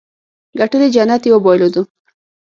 ګټلې جنت يې بايلودو.